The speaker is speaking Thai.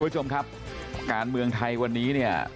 คุณผู้ชมครับการเมืองไทยวันนี้เนี่ย